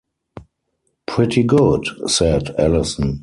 "Pretty good," said Allison.